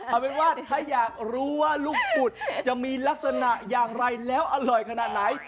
เอาเป็นว่าถ้าอยากรู้ว่าลูกปุดจะมีลักษณะอย่างไรแล้วอร่อยขนาดไหน